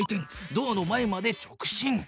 ドアの前まで直進。